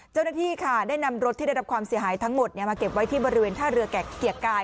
เจ้าหน้าที่ค่ะได้นำรถที่ได้รับความเสียหายทั้งหมดมาเก็บไว้ที่บริเวณท่าเรือแก่กาย